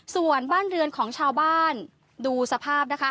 ส่วนบ้านเรือนของชาวบ้านดูสภาพนะคะ